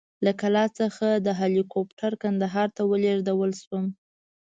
له کلات څخه په هلیکوپټر کندهار ته ولېږدول شوم.